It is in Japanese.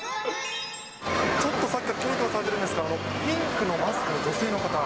ちょっとさっきからキョロキョロされてるんですが、ピンクのマスクの女性の方。